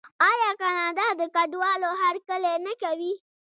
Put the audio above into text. آیا کاناډا د کډوالو هرکلی نه کوي؟